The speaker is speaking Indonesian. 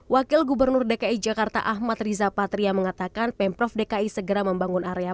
wakil gubernur dki jakarta ahmad riza patria mengatakan pemprov dki segera membangun area